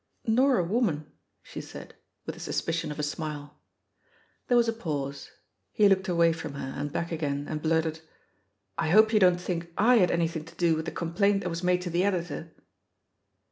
"Nor a woman," she said, with the suspicion of a smile. There was a pause. He looked away from THE POSITION OF PEGGY HARPEB 179 her^ and back again, and blurted, '^I hope you don't think I had anything to do with the com* plaint that was made to the Editor?"